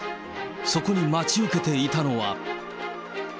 そこに待ち受けていたのは。